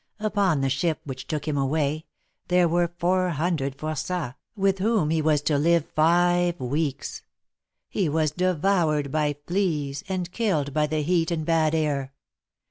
Upon the ship which took him away, there were four hundred for9ats, with whom he was to live five weeks. He was devoured by fleas, and killed by the heat and bad air.